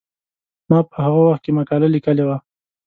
ما په هغه وخت کې مقاله لیکلې وه.